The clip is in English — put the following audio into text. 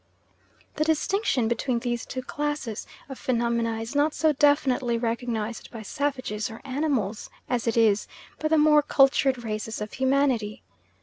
The distinction between these two classes of phenomena is not so definitely recognised by savages or animals as it is by the more cultured races of humanity.